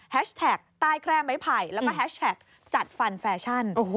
แท็กใต้แคร่ไม้ไผ่แล้วก็แฮชแท็กจัดฟันแฟชั่น